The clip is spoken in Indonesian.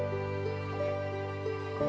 ya tuhan kami berdoa